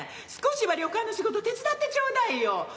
少しは旅館の仕事手伝ってちょうだいよ。